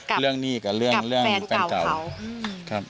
ถามแม่เรื่องนี่กับเรื่องแฟนเก่า